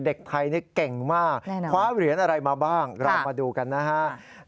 เด็กไทยนี่เก่งมากคว้าเหรียญอะไรมาบ้างเรามาดูกันนะครับ